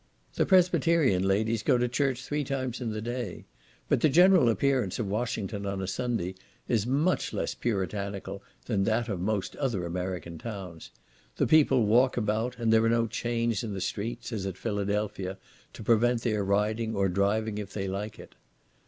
The Presbyterian ladies go to church three times in the day, but the general appearance of Washington on a Sunday is much less puritanical than that of most other American towns; the people walk about, and there are no chains in the streets, as at Philadelphia, to prevent their riding or driving, if they like it.